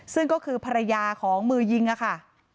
ซึ่งก็คือภรรยาของมือยิงค่ะ